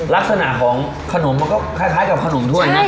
ลักษณะของขนมมันก็คล้ายกับขนมด้วยนะ